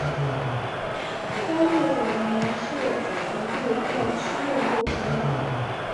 该物种的模式产地在西印度群岛。